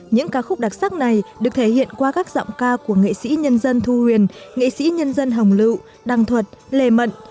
những ca khúc đặc sắc này được thể hiện qua các giọng ca của nghệ sĩ nhân dân thu huyền nghệ sĩ nhân dân hồng lựu đăng thuật lê mận